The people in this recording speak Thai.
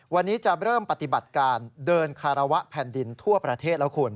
วันนี้จะเริ่มปฏิบัติการเดินคารวะแผ่นดินทั่วประเทศแล้วคุณ